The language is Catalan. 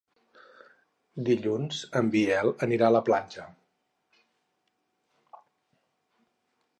Dilluns en Biel anirà a la platja.